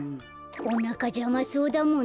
おなかじゃまそうだもんね。